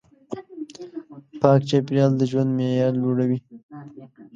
پاک چاپېریال د ژوند معیار لوړوي.